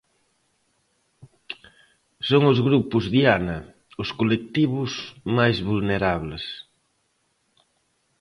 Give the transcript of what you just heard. Son os grupos diana, os colectivos máis vulnerables.